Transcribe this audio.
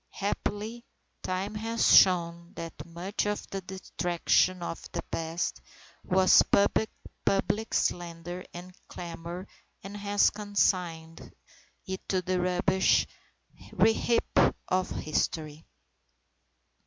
Happily, time has shown that much of the detraction of the past was public slander and clamour, and has consigned it to the rubbish heap of history.